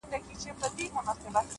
د زده کړې مینه انسان ځوان ساتي،